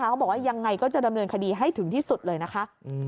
เขาบอกว่ายังไงก็จะดำเนินคดีให้ถึงที่สุดเลยนะคะ